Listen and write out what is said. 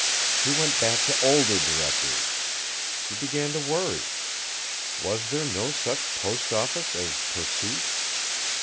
He went back to older directories. He began to worry. Was there no such postoffice as Pursuit?